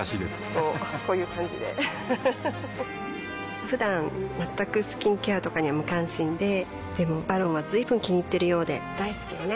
こうこういう感じでうふふふだん全くスキンケアとかに無関心ででも「ＶＡＲＯＮ」は随分気にいっているようで大好きよね